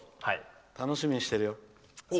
楽しみにしてるよ。